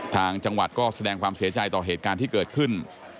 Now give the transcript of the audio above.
ทางจังหวัดก็แสดงความเสียใจต่อเหตุการณ์ที่เกิดขึ้น